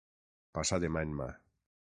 Passa de mà en mà.